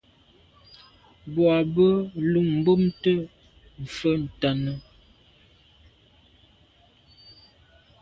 Boa bo lo bumte mfe ntàne.